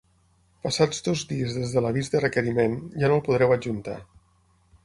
Passats dos dies des de l'avís de requeriment, ja no el podreu adjuntar.